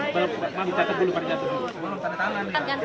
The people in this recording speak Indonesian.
terima kasih terima kasih